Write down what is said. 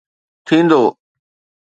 ٿيندو